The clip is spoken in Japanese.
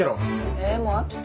えーもう飽きた。